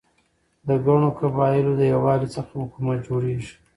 د ګڼو قبایلو د یووالي څخه حکومت جوړيږي.